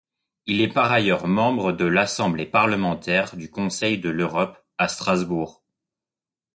Il est par ailleurs membre de l’Assemblée parlementaire du Conseil de l’Europe à Strasbourg.